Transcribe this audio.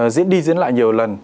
diễn đi diễn lại nhiều lần